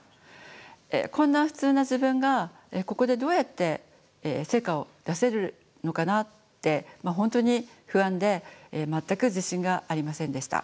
こんな普通な自分がここでどうやって成果を出せるのかなって本当に不安で全く自信がありませんでした。